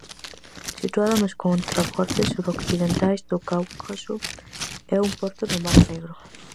Situada nos contrafortes suroccidentais do Cáucaso, é un porto no Mar Negro.